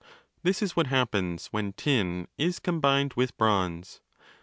This is what happens when tin is combined with bronze.